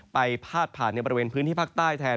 พาดผ่านในบริเวณพื้นที่ภาคใต้แทน